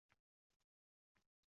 Kishi vatanida o‘zini yengil